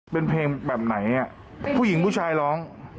เป็นเพลงแบบไหนผู้หญิงผู้ชายร้อง